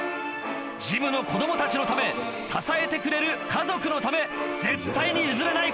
ジムの子供たちのため支えてくれる家族のため絶対に譲れない